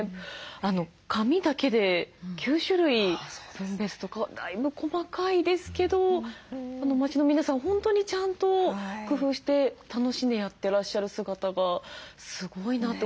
紙だけで９種類ですとかだいぶ細かいですけど町の皆さん本当にちゃんと工夫して楽しんでやってらっしゃる姿がすごいなと思いましたね。